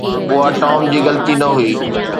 اها ٽام جي غلطي نه هئي